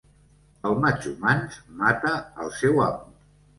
El matxo mans mata el seu amo.